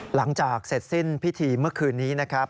หลังจากเสร็จสิ้นพิธีเมื่อคืนนี้นะครับ